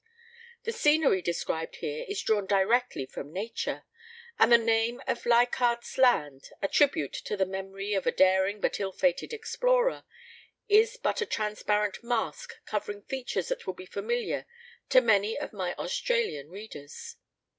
The scenery described here is drai^m directly from nature ; and the name of Leichardt^s Land — a tribute to the memory of a daring but ill fated explorer — is but a transparent mask covering features that will be familiar to many of my Aus tralian readers.